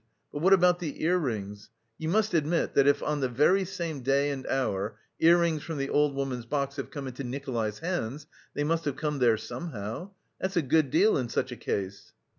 But what about the ear rings? You must admit that, if on the very same day and hour ear rings from the old woman's box have come into Nikolay's hands, they must have come there somehow. That's a good deal in such a case."